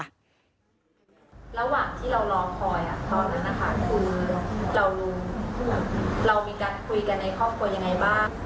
ระหว่างที่เรารอคอยตอนนั้นนะคะคือเรามีการคุยกันในครอบครัวยังไงบ้าง